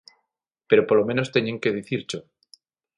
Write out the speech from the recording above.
Pero polo menos teñen que dicircho.